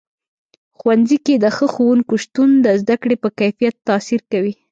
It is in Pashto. ښوونځي کې د ښه ښوونکو شتون د زده کړې په کیفیت تاثیر کوي.